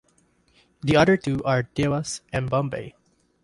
The other two are Dewas and Bombay.